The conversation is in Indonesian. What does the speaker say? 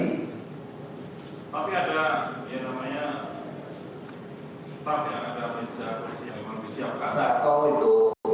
tapi ada ya namanya staf ya ada pejabat sih yang menganggap